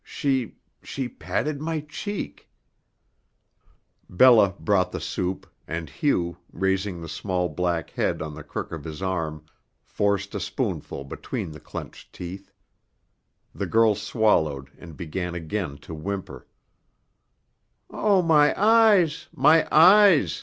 She she patted my cheek " Bella brought the soup, and Hugh, raising the small black head on the crook of his arm, forced a spoonful between the clenched teeth. The girl swallowed and began again to whimper: "Oh, my eyes! My eyes!